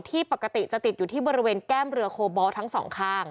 ปกติจะติดอยู่ที่บริเวณแก้มเรือโคบอลทั้งสองข้าง